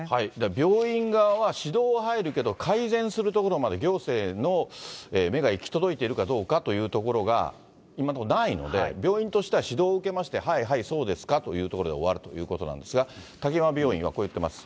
病院側は指導は入るけど、改善するところまで、行政の目が行き届いてるかどうかというところが今はないので、病院としては指導を受けまして、はいはい、そうですかというところで終わるということですが、滝山病院はこう言ってます。